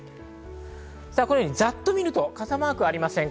ざっと見ると傘マークありません。